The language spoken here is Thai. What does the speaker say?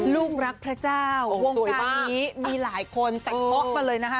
ลูกรักพระเจ้าวงการนี้มีหลายคนแต่งโต๊ะมาเลยนะคะ